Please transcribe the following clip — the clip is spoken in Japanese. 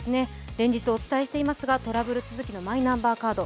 連日お伝えしていますが、トラブル続きのマイナンバーカード。